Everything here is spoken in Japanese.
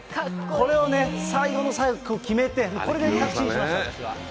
これを最後の最後決めて、これで確信しました、私は。